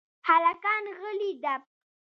هلکان غلي دپ .